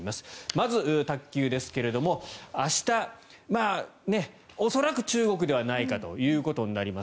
まず卓球ですが明日、恐らく中国ではないかということになります。